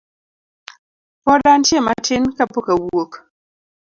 Pod antie matin kapok awuok.